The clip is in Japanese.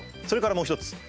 それからもう一つ。